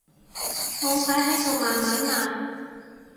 我擺喺度慢慢賣